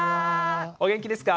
お元気ですか？